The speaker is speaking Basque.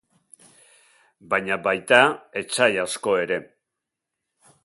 Baina baita etsai asko ere.